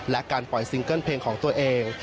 และการปล่อยซิงเกิ้ลเพลงของตัวเอง